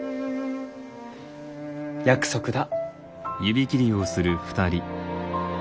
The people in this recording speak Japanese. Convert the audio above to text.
約束だ。